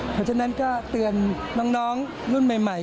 เพราะฉะนั้นก็เตือนน้องรุ่นใหม่